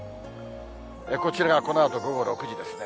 こちらがこのあと午後６時ですね。